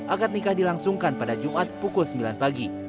akad nikah dilangsungkan pada jumat pukul sembilan pagi